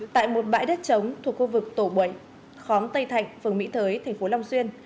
tại một bãi đất trống thuộc khu vực tổ bảy khóm tây thạnh phường mỹ thới tp long xuyên